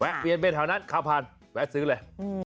แวะเปลี่ยนไปแถวนั้นข้าวผ่านแวะซื้อเลย